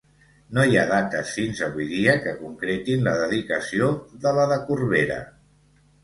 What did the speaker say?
No hi ha dates fins avui dia que concretin la dedicació de la de Corbera.